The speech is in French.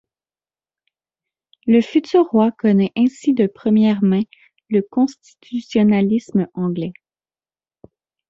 Le futur roi connaît ainsi de première main le constitutionnalisme anglais.